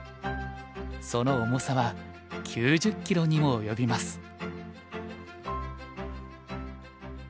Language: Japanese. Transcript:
その重さは９０キロにも及びます。